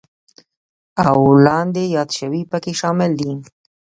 او لاندې یاد شوي پکې شامل دي: